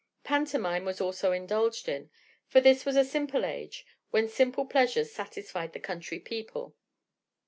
Pantomime was also indulged in, for this was a simple age, when simple pleasures satisfied the country people.